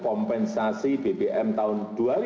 kompensasi bbm tahun dua ribu dua puluh dua